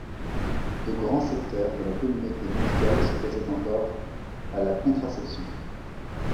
De grands secteurs de la communauté médicale s'opposaient encore à la contraception.